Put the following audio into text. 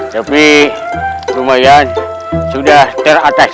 tapi lumayan sudah teratasi